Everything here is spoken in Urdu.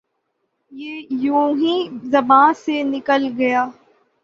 یہ یونہی زبان سے نکل گیا